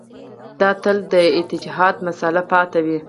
دا تل د اجتهاد مسأله پاتې وي.